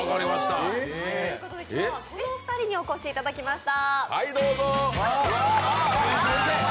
ということで今日はこのお二人にお越しいただきました。